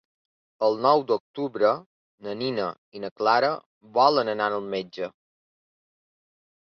El nou d'octubre na Nina i na Clara volen anar al metge.